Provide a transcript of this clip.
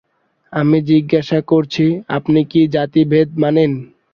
আমি জিজ্ঞাসা করছি আপনি কি জাতিভেদ মানেন?